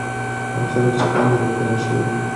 هغه خلک چې خاندي، روغتیا یې ښه وي.